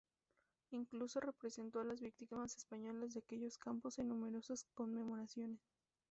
Incluso representó a las víctimas españolas de aquellos campos en numerosas conmemoraciones.